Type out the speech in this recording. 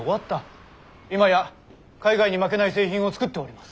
今や海外に負けない製品を作っております。